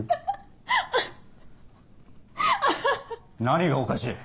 何がおかしい？